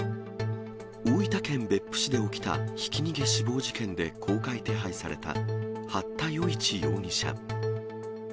大分県別府市で起きたひき逃げ死亡事件で公開手配された、八田與一容疑者。